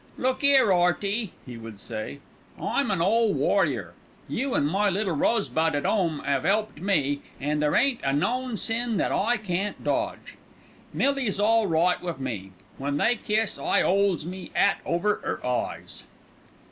"Look 'ere, 'Earty," he would say, "I'm an ole warrior. You an' my Little Rosebud at 'ome 'ave 'elped me, an' there ain't a known sin that I can't dodge. Millie's all right wi' me. When they kiss I 'olds me 'at over 'er eyes."